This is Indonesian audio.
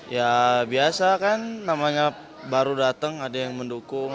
ya biasa kan namanya baru datang ada yang mendukung